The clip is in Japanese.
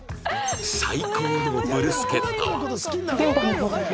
“最幸”のブルスケッタは